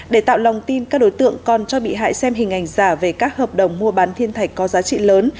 để tạo lòng tin các đối tượng còn cho bị hại xem hình ảnh giả về các hợp đồng mua bán thiên thạch có giá trị lớn